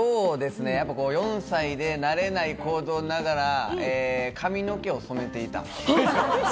４歳で慣れない行動ながら、髪の毛を染めていた。